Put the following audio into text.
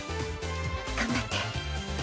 頑張って。